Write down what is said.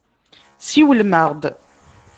Siwlem-aɣ-d.